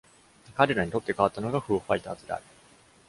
彼らに取って代わったのが、フーファイターズである。